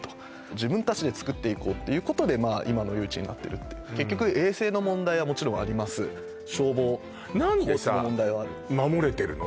自分たちでつくっていこうっていうことで今の夜市になってるっていう結局衛生の問題はもちろんある消防交通の問題はある何でさ守れてるの？